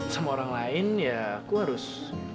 sama orang lain ya aku harus